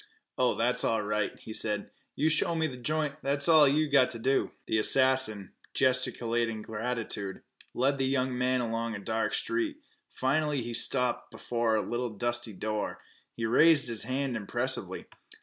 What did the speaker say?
"Oh, that's all right," he said. "You show me th' joint that's all you've got t' do." The assassin, gesticulating gratitude, led the young man along a dark street. Finally he stopped before a little dusty door. He raised his hand impressively.